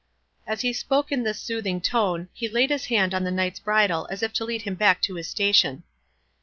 As he spoke in this soothing tone, he laid his hand on the knight's bridle, as if to lead him back to his station.